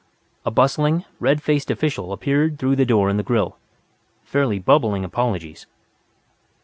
A bustling, red faced official appeared through the door in the grill, fairly bubbling apologies.